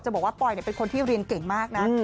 บอกว่าปอยเป็นคนที่เรียนเก่งมากนะ